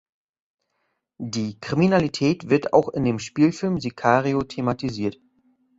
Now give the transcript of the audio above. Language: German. Die Kriminalität wird auch in dem Spielfilm "Sicario" thematisiert.